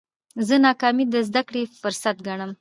زه ناکامي د زده کړي فرصت ګڼم.